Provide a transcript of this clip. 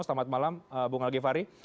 selamat malam bung algivary